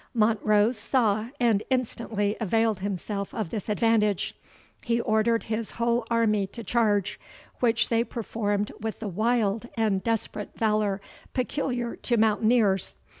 Montrose saw, and instantly availed himself of this advantage. He ordered his whole army to charge, which they performed with the wild and desperate valour peculiar to mountaineers.